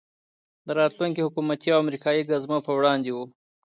د راتلونکو حکومتي او امریکایي ګزمو په وړاندې وو.